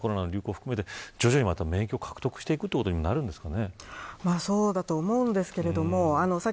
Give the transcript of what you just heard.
これはあくまでも今回コロナの流行新型コロナの流行を含めて徐々に免疫を獲得していくことになるんですかね。